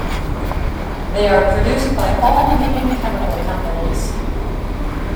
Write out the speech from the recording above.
They are produced by all leading chemical companies.